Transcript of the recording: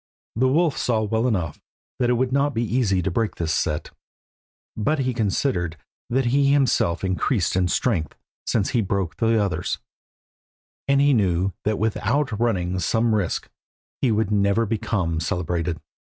The wolf saw well enough that it would not be easy to break this set, but he considered that he had himself increased in strength since he broke the others, and he knew that without running some risk he could never become celebrated.